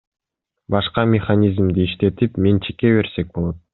Башка механизмди иштетип, менчикке берсек болот.